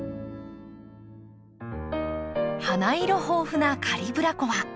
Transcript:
花色豊富なカリブラコア。